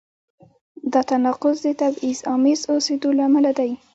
دا تناقض د تبعیض آمیز اوسېدو له امله دی.